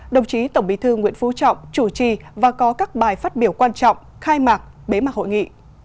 đồng chí tổng bí thư nguyễn phú trọng chủ trì và có các bài phát biểu quan trọng khai mạc bế mạc hội nghị